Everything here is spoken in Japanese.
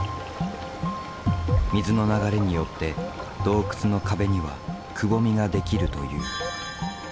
水の流れによって洞窟の壁にはくぼみが出来るという。